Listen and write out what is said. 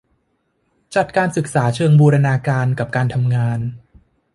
จัดการศึกษาเชิงบูรณาการกับการทำงาน